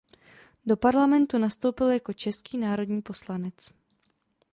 Do parlamentu nastoupil jako český národní poslanec.